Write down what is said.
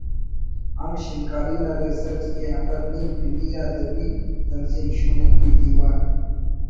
ہم شینکاری نا ریسہ ٹی ءِ احمد نعیم پنی آ ادبی تنظیم شون ادبی دیوان